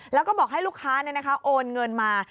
แล้วก็บอกให้ลูกค้าโอนเงินมา